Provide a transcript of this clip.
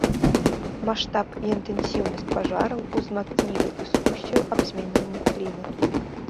Маштаб і інтэнсіўнасць пажараў узмацнілі дыскусію аб змяненні клімату.